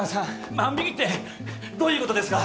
万引きってどういう事ですか！？